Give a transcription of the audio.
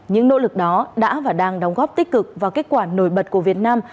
những nỗ lực đó đã và đang đóng góp tích cực vào kết quả nổi bật của việt nam